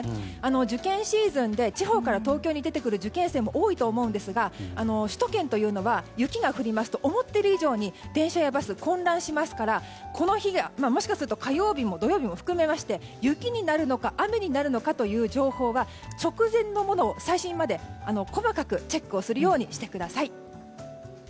受験シーズンで地方から東京に出てくる受験生も多いと思うんですが首都圏というのは雪が降りますと思っている以上に電車やバスが混乱しますからこの日、もしかすると火曜日も土曜日も含めまして雪になるのか、雨になるのかという情報は直前のものを、最新まで細かくチェックをするようにしてください。